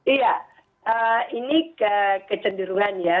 iya ini kecenderungan ya